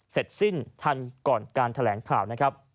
เสร็จสิ้นทันก่อนการแถลงข่าว